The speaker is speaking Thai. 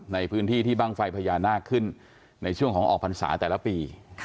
ในพื้นที่ที่บ้างไฟพญานาคขึ้นในช่วงของออกพรรษาแต่ละปี